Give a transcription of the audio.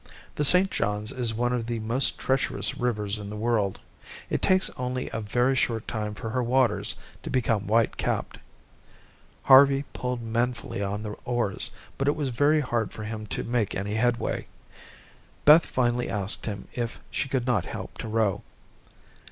The St. Johns is one of the most treacherous rivers in the world. It takes only a very short time for her waters to become white capped. Harvey pulled manfully on the oars, but it was very hard for him to make any headway. Beth finally asked if she could not help to row.